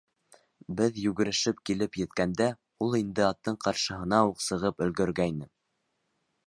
Беҙ югерешеп килеп еткәндә, ул инде аттың ҡаршыһына уҡ сығып өлгөргәйне.